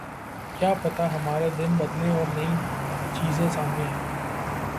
کیا پتا ہمارے دن بدلیں اور نئی چیزیں سامنے آئیں۔